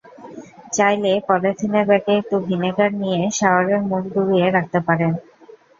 চাইলে পলিথিনের ব্যাগে একটু ভিনেগার নিয়ে শাওয়ারের মুখ ডুবিয়ে রাখতে পারেন।